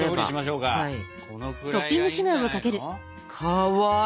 かわいい！